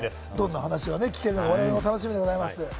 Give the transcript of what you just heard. どんな話が聞けるのか我々も楽しみです。